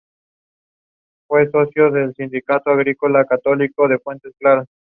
En la actualidad, este campo está experimentando una rápida expansión.